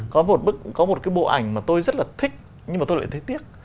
có một cái bộ ảnh mà tôi rất là thích nhưng mà tôi lại thấy tiếc